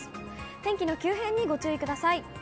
天気の急変にご注意ください。